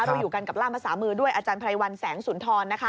เราอยู่กันกับร่ามภาษามือด้วยอภัลวัลแสงศุนธรณ์นะค่ะ